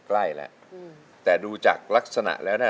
ใกล้แล้วแต่ดูจากลักษณะแล้วเนี่ย